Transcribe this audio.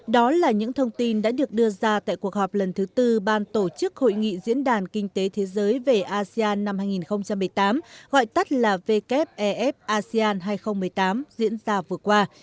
đó là những thông tin đã được đưa ra tại cuộc họp lần thứ tư ban tổ chức hội nghị diễn đàn kinh tế thế giới về asean năm hai nghìn một mươi tám gọi tắt là wef asean hai nghìn một mươi tám diễn ra vừa qua